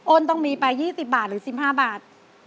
้นต้องมีไป๒๐บาทหรือ๑๕บาท